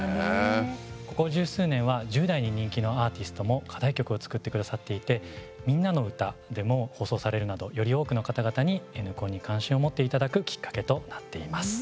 ここ十数年は１０代に人気のアーティストも課題曲を作ってくださっていて「みんなのうた」でも放送されるなどより多くの方々に「Ｎコン」に関心を持っていただくきっかけとなっています。